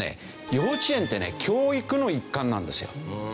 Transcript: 幼稚園ってね教育の一環なんですよ。